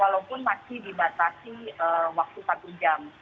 walaupun masih dibatasi waktu satu jam